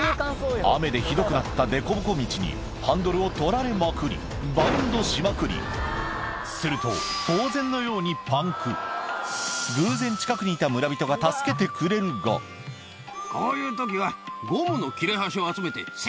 雨でひどくなったでこぼこ道にハンドルを取られまくりバウンドしまくりすると当然のようにが助けてくれるがこういう時は。